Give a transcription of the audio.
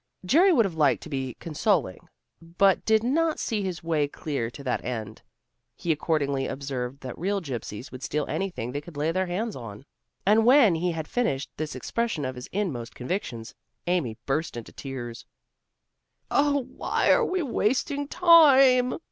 Jerry would have liked to be consoling, but did not see his way clear to that end. He accordingly observed that real gypsies would steal anything they could lay their hands on. And when he had finished this expression of his inmost convictions, Amy burst into tears. "Oh, why are we wasting time?"